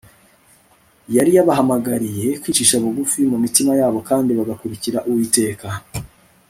yari yabahamagariye kwicisha bugufi mu mitima yabo kandi bakagarukira Uwiteka